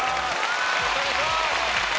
よろしくお願いします！